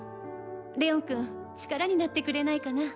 レオンくん力になってくれないかな？